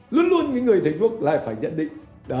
luôn luôn người chạy thuốc lại phải nhận định